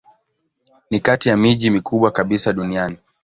Ni kati ya miji mikubwa kabisa duniani.